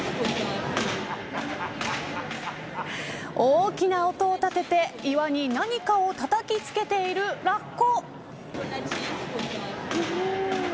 大きな音を立てて岩に何かをたたきつけているラッコ。